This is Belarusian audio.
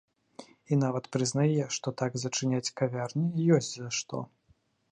І нават прызнае, што, так, зачыняць кавярні ёсць за што.